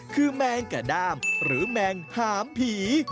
คือแมงกระด้ามหรือแมงหามผี